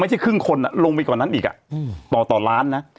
ครึ่งคนลงไปกว่านั้นอีกต่อล้านนะ